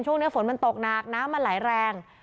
ช่วงนี้ฝนมันตกหนักน้ำมันไหลแรง